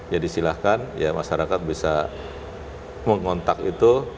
jadi silakan masyarakat bisa mengontak itu